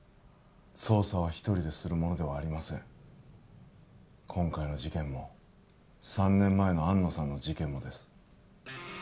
捜査は一人でするものではありません今回の事件も３年前の安野さんの事件もです